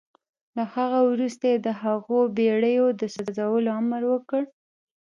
له هغه وروسته يې د هغو بېړيو د سوځولو امر وکړ.